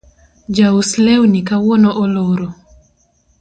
Jaus lewni kawuono oloro